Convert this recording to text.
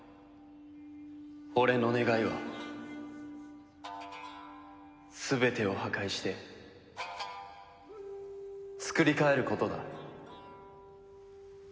俺の願いは全てを破壊してつくり変えることだ。